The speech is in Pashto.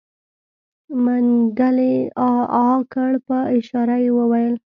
منګلي عاعاعا کړ په اشاره يې وويل.